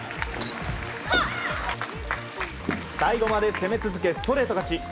最後まで攻め続けストレート勝ち。